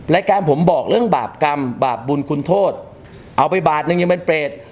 การผมบอกเรื่องบาปกรรมบาปบุญคุณโทษเอาไปบาทนึงยังเป็นเปรต